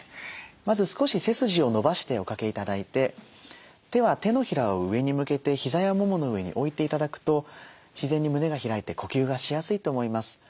まず少し背筋を伸ばしておかけ頂いて手は手のひらを上に向けてひざやももの上に置いて頂くと自然に胸が開いて呼吸がしやすいと思います。